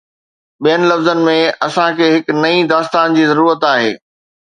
ٻين لفظن ۾، اسان کي هڪ نئين داستان جي ضرورت آهي.